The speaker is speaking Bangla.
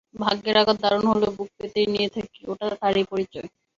ভাগ্যের আঘাত দারুণ হলেও বুক পেতেই নিয়ে থাকি–ওটা তারই পরিচয়।